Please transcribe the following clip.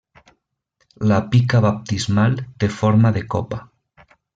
La pica baptismal té forma de copa.